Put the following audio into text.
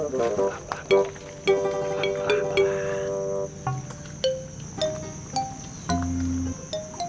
belum pulang pak